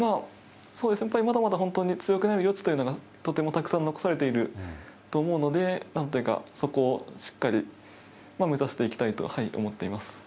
そうですね、まだまだ本当に強くなる余地というのがとてもたくさん残されていると思うので、なんというか、そこをしっかり目指していきたいと思っています。